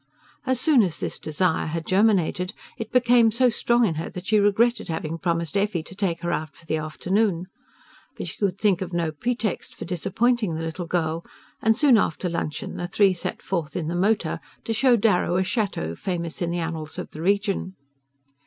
As soon as this desire had germinated it became so strong in her that she regretted having promised Effie to take her out for the afternoon. But she could think of no pretext for disappointing the little girl, and soon after luncheon the three set forth in the motor to show Darrow a chateau famous in the annals of the region.